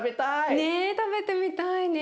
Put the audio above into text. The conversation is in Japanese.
ね食べてみたいね。